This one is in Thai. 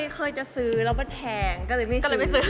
เคยจะซื้อแล้วมันแพงก็เลยไม่ซื้อ